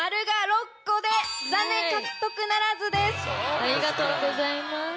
ありがとうございます。